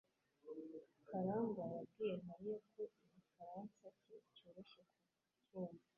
karangwa yabwiye mariya ko igifaransa cye cyoroshye kubyumva